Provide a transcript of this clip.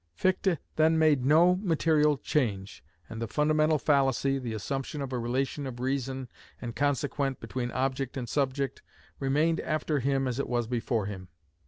Fichte then made no material change, and the fundamental fallacy, the assumption of a relation of reason and consequent between object and subject, remained after him as it was before him.